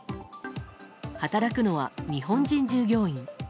働くのは日本人従業員。